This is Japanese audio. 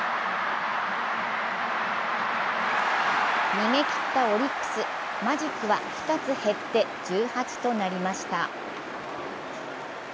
逃げ切ったオリックス、マジックは２つ減って１８となりました。